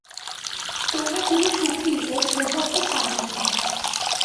তোমরা চিরসুখী ও সৌভাগ্যশালিনী হও।